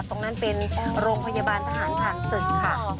ตรงนั้นเป็นโรงพยาบาลทหารผ่านศึกค่ะ